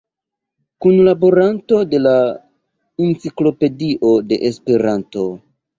Kunlaboranto de la Enciklopedio de Esperanto.